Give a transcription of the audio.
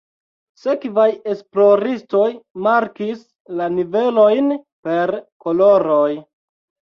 Sekvaj esploristoj markis la nivelojn per koloroj.